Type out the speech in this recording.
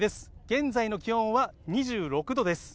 現在の気温は２６度です。